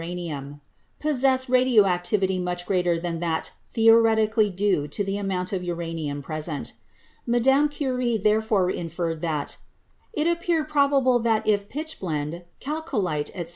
MODERN INORGANIC CHEMISTRY 261 — possess radio activity much greater than that "theoreti cally" due to the amount of uranium present. Mme. Curie therefore inferred that, "It appeared prob able that if pitchblende, chalcolite, etc.